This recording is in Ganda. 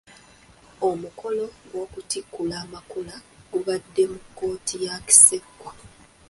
Omukolo gw'okutikkula amakula gubadde mu kkooti ya Kisekwa.